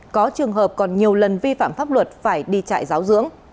có trường hợp còn nhiều lần vi phạm pháp luật phải đi trại giáo dưỡng